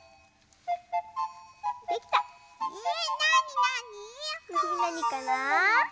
なにかな？